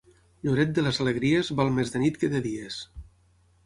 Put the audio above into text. Lloret de les alegries, val més de nit que de dies.